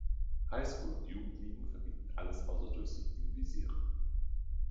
High-School- und Jugendligen verbieten alles außer durchsichtigen Visieren.